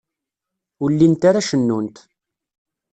Ur llint ara cennunt.